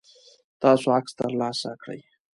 تاسو عکس ترلاسه کړئ؟